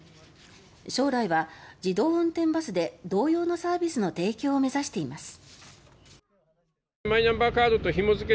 将来は自動運転バスで同様のサービスの提供を目指しています。